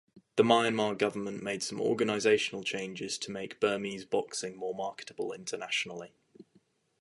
The Myanmar government made some organizational changes to make Burmese boxing more marketable internationally.